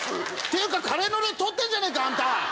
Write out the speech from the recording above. ていうかカレーのルー盗ってんじゃねえかあんた！